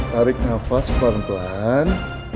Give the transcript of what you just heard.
tarik nafas pelan pelan